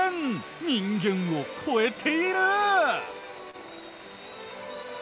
人間を超えている！